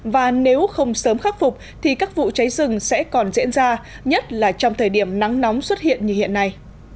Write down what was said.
và nếu không sớm khắc phục thì các vụ cháy rừng sẽ còn diễn ra nhất là trong thời điểm nắng nóng xuất hiện như hiện nay